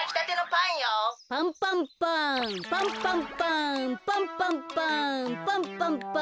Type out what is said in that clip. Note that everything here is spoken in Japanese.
パンパンパンパンパンパンパンパンパン。